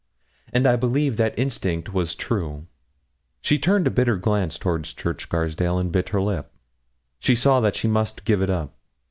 And I believe that instinct was true. She turned a bitter glance toward Church Scarsdale, and bit her lip. She saw that she must give it up.